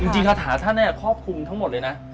จริงคาถาท่านเนี่ยคอบคุมทั้งหมดเลยนะ